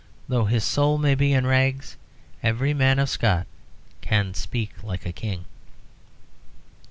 Though his soul may be in rags, every man of Scott can speak like a king.